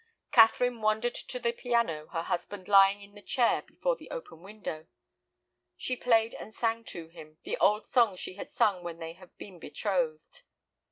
Catherine wandered to the piano, her husband lying in the chair before the open window. She played and sang to him, the old songs she had sung when they had been betrothed.